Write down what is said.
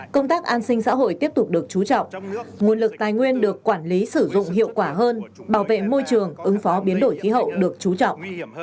công tác an sinh xã hội tiếp tục được trú trọng nguồn lực tài nguyên được quản lý sử dụng hiệu quả hơn bảo vệ môi trường ứng phó biến đổi khí hậu được chú trọng